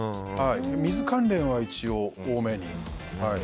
水関連は、一応多めに。